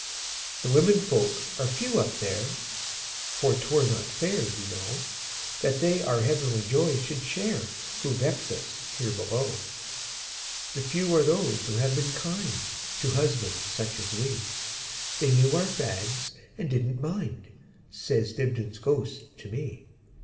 "The women folk are few up there; For 't were not fair, you know, That they our heavenly joy should shareWho vex us here below. The few are those who have been kindTo husbands such as we; They knew our fads, and did n't mind,"Says Dibdin's ghost to me.